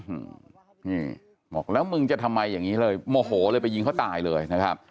อืมนี่บอกแล้วมึงจะทำไมอย่างนี้เลยโมโหเลยไปยิงเขาตายเลยนะครับ